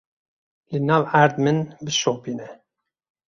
Li nav erd min bişopîne.